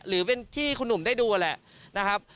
หรือเป็นที่คุณหนุ่มได้ดูแหละนะครับ